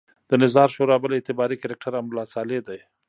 د نظار شورا بل اعتباري کرکټر امرالله صالح دی.